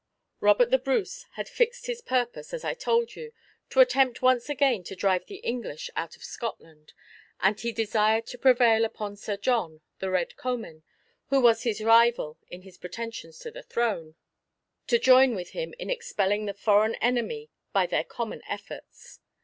Robert the Brace had fixed his purpose, as I told you, to attempt once again to drive the English out of Scotland, and he desired to prevail upon Sir John, the Red Comyn, who was his rival in his pretensions to the throne, to join with him in expelling the foreign enemy by their common efforts.